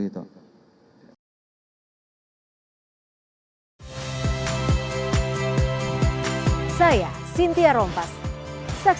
eh adik sorry adik pelaku